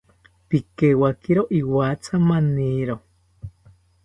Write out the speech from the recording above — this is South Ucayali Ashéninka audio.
Pikewakiro iwatha maniro